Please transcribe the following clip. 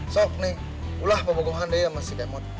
sok neng ulah bohongan dia sama si kemot